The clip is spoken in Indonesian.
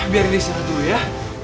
biar ini istirahat dulu ya